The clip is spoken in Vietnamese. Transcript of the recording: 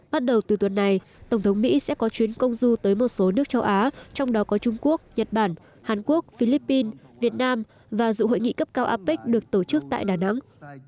bắt đầu từ tuần này tổng thống mỹ sẽ có chuyến công du tới một số nước châu á trong đó có trung quốc nhật bản hàn quốc philippines việt nam và dự hội nghị cấp cao apec được tổ chức tại đà nẵng